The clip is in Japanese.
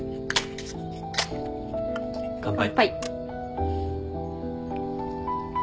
乾杯。